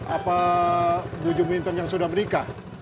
apa bu juminten yang sudah berikah